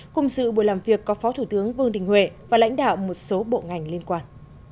cùng sự buổi làm việc có phó thủ tướng vương đình huệ và lãnh đạo một số bộ ngành liên quan